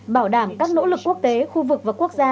bảo đảm các nỗ lực quốc tế khu vực và quốc gia